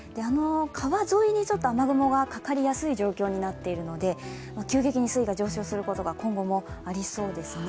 川沿いに雨雲がかかりやすい状況になっていますので急激に水位が上昇することが今後もありそうですね。